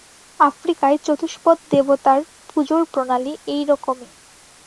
আফ্রিকায় চতুষ্পদ দেবতার পুজোর প্রণালী এইরকমই।